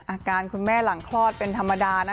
อาการคุณแม่หลังคลอดเป็นธรรมดานะ